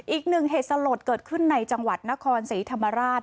อีกหนึ่งเหตุสลดเกิดขึ้นในจังหวัดนครศรีธรรมราช